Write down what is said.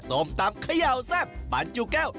ส้มตำเขย่าแซ่บบรรจุแก้ว